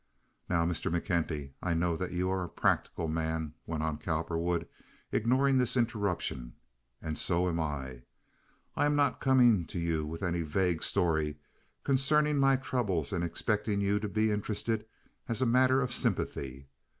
"Now, Mr. McKenty, I know that you are a practical man," went on Cowperwood, ignoring this interruption, "and so am I. I am not coming to you with any vague story concerning my troubles and expecting you to be interested as a matter of sympathy.